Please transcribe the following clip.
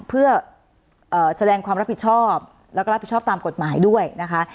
เพื่อแสดงความรับผิดชอบแล้วก็รับผิดชอบตามกฎหมายด้วยนะคะ